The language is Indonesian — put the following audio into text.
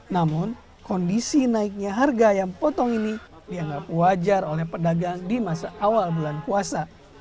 namun kondisi naiknya harga ayam potong ini dianggap wajar oleh pedagang di masa awal bulan puasa